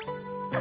あ！